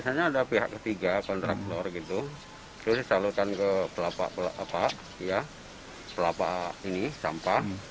segitu terus disalurkan ke pelapa ini sampah